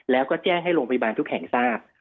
แล้วก็แจ้งให้โรงพยาบาลทุกแห่งทราบ